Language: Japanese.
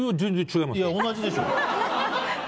同じでしょ！